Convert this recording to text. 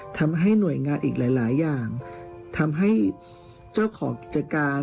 ทำให้หน่วยงานอีกหลายอย่างทำให้เจ้าของกิจการ